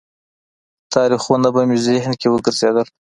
تاریخونه به مې ذهن کې وګرځېدل.